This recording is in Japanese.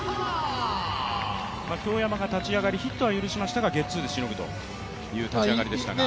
京山が立ち上がり、ヒットは許しましたがゲッツーでしの立ち上がりでしたが。